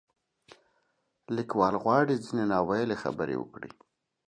لیکوال غواړي ځینې نا ویلې خبرې وکړي.